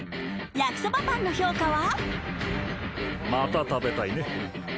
焼きそばパンの評価は？